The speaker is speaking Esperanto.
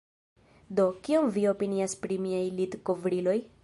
Do, kion vi opinias pri miaj litkovriloj?